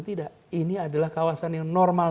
tidak ini adalah kawasan yang normal